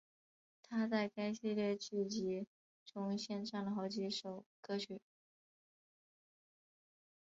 她在该系列剧集中献唱了好几首歌曲。